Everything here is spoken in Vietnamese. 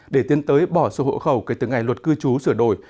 để tiến tới bỏ số hộ khẩu kể từ ngày luật cư trú sửa đổi